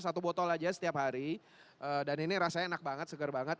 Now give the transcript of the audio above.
satu botol aja setiap hari dan ini rasanya enak banget segar banget